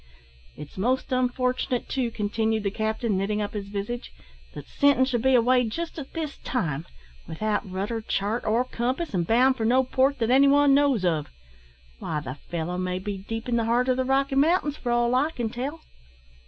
"It's most unfortunate, too," continued the captain, knitting up his visage, "that Sinton should be away just at this time, without rudder, chart, or compass, an' bound for no port that any one knows of. Why, the fellow may be deep in the heart o' the Rocky Mountains, for all I can tell.